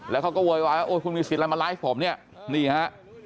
แล้วเขาก็เววว่าคุณมีสิทธิ์อะไรมาไล่ผมเนี่ยนี่ฮะ